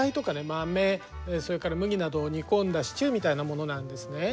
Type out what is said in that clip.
豆それから麦などを煮込んだシチューみたいなものなんですね。